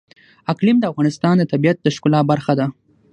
اقلیم د افغانستان د طبیعت د ښکلا برخه ده.